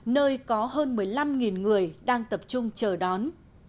nơi có hơn một mươi năm người đang tập trung chờ đón